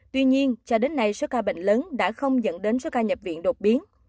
tuy nhiên cho đến nay số ca bệnh lớn đã không dẫn đến số ca nhập viện đột biến